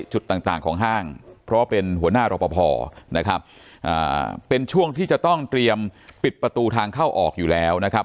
จุดต่างของห้างเพราะว่าเป็นหัวหน้ารอปภนะครับเป็นช่วงที่จะต้องเตรียมปิดประตูทางเข้าออกอยู่แล้วนะครับ